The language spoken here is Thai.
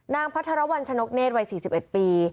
นางพระธรวรรณชนกเนธวัย๔๑ปี